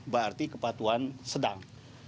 berarti kepatuhan sedang